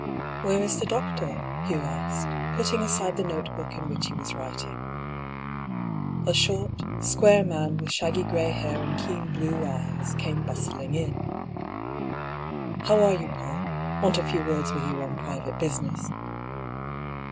" Where is the doctor ?" Hugh asked, putting aside the notebook in which he was writing. A short, square man, with shaggy grey hair and keen blue eyes, came bustling in. " How are you, Paull ? Want a few words with you on private business."